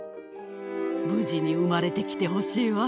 無事に生まれてきてほしいわ。